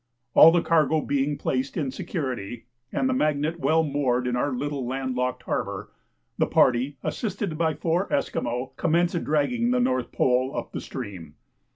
All the cargo being placed in security and the Magnet well moored in our little land locked harbour, the party, assisted by four Esquimaux, commenced dragging the North Pole up the stream.